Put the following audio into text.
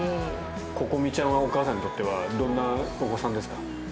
心々咲ちゃんは、お母さんにとってはどんなお子さんですか？